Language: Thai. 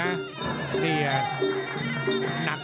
น่าขยับ